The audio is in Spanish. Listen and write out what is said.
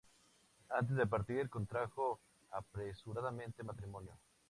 Antes de partir contrajo apresuradamente matrimonio.